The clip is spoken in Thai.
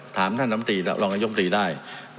ถามท่านตัมตีดิเราลองมายกรัมติได้